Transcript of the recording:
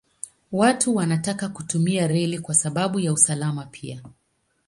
Watu wanataka kutumia reli kwa sababu ya usalama pia.